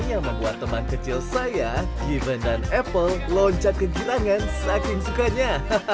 yang membuat teman kecil saya given dan epa loncat ke gilangan saking sukanya